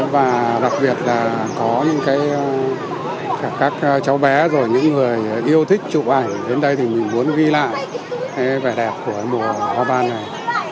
và đặc biệt là có những cháu bé rồi những người yêu thích chụp ảnh đến đây thì mình muốn ghi lại vẻ đẹp của mùa hoa ban này